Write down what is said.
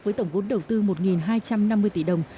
với tổng vốn đầu tư một hai trăm năm mươi tỷ đồng